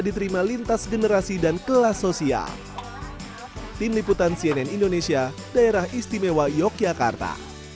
diterima lintas generasi dan kelas sosial tim liputan cnn indonesia daerah istimewa yogyakarta